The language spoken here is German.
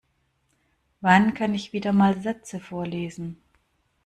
Wann kann ich wieder mal Sätze vorlesen?